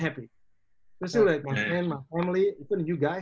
terus kayak teman teman gue keluarga gue